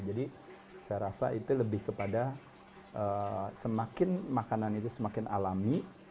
jadi saya rasa itu lebih kepada semakin makanan itu semakin alami